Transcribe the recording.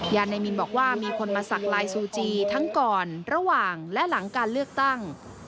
นายมินบอกว่ามีคนมาสักลายซูจีทั้งก่อนระหว่างและหลังการเลือกตั้ง